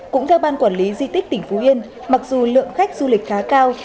cũng theo ban quản lý di tích tỉnh phú yên mặc dù lượng khách du lịch khá cao